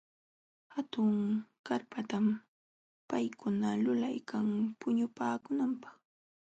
Hatun karpatam paykuna lulaykan puñupaakunanpaq.